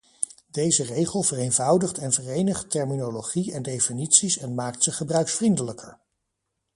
Deze regel vereenvoudigt en verenigt terminologie en definities en maakt ze gebruiksvriendelijker.